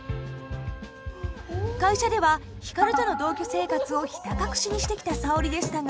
会社では光との同居生活をひた隠しにしてきた沙織でしたが。